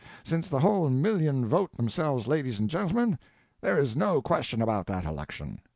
Since the whole million vote themselves ladies and gentlemen, there is no question about that election.